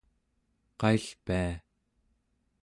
qaill’ pia?